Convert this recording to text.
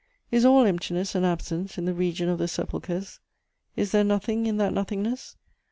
Is all emptiness and absence in the region of the sepulchres? Is there nothing in that nothingness?